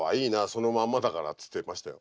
そのまんまだから」って言ってましたよ。